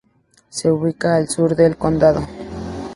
Se ubica al sur del condado.